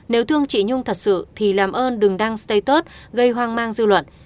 nếu thương chị nhung thật sự thì làm ơn đừng đăng status gây hoang mang dư luận